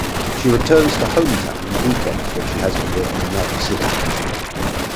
She returns to hometown on weekends when she has to work in another city.